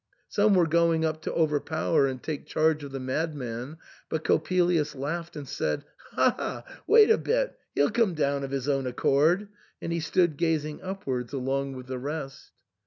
Some were going up to overpower and take charge of the madman, but Coppelius laughed and said, "Ha! ha! wait a bit ; he'll come down of his own accord ;" and he stood gazing upwards along with the rest.